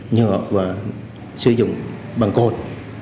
nhựa và sử dụng bằng cột